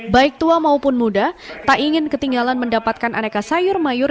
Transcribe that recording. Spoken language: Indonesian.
baik tua maupun muda tak ingin ketinggalan mendapatkan aneka sayur mayur